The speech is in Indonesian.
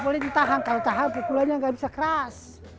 bapak boleh ditahan kalau ditahan pukulannya nggak bisa keras